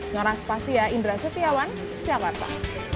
ngaras pas ya indra setiawan jakarta